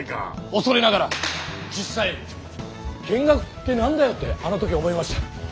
恐れながら実際「見学って何だよ」ってあの時思いました。